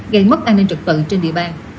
gây mất an ninh trật tự trên địa bàn